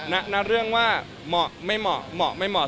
ณเรื่องว่าเหมาะไม่เหมาะเหมาะไม่เหมาะ